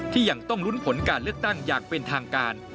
ยังต้องลุ้นผลการเลือกตั้งอย่างเป็นทางการ